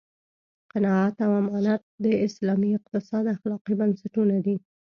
قناعت او امانت د اسلامي اقتصاد اخلاقي بنسټونه دي.